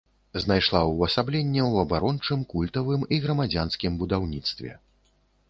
Знайшла ўвасабленне ў абарончым, культавым і грамадзянскім будаўніцтве.